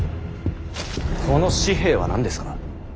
この紙幣は何ですか。